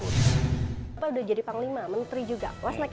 pak sudah jadi panglima menteri juga